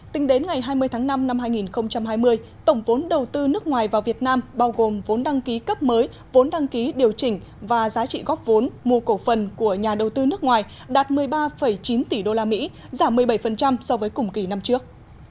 tính đến ngày hai mươi tháng năm năm hai nghìn hai mươi tổng vốn đầu tư nước ngoài vào việt nam bao gồm vốn đăng ký cấp mới vốn đăng ký điều chỉnh và giá trị góp vốn mua cổ phần của nhà đầu tư nước ngoài đạt một mươi ba chín tỷ usd giảm một mươi bảy so với cùng kỳ năm trước